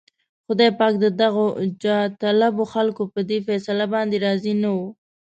خدای پاک د دغو جاهطلبو خلکو په دې فيصله باندې راضي نه و.